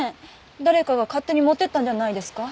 誰かが勝手に持ってったんじゃないですか？